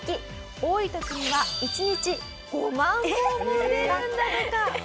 多い時には１日５万本も売れるんだとか。